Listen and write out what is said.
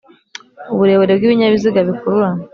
Uburebure bw’ibinyabiziga bikururana